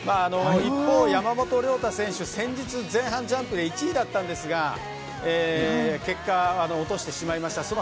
一方、山本涼太選手は先日、前半のジャンプで１位だったんですが結果、落としてしまいました。